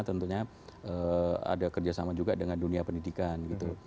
tentunya ada kerjasama juga dengan dunia pendidikan gitu